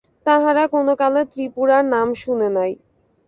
তাহারা কোনো কালে ত্রিপুরার নাম শুনে নাই।